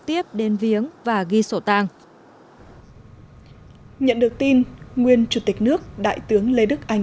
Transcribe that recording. tiếp đền viếng và ghi sổ tăng nhận được tin nguyên chủ tịch nước đại tướng lê đức anh